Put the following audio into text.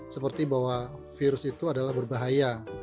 seperti bahwa virus itu adalah berbahaya